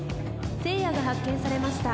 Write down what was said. せいやが発見されました。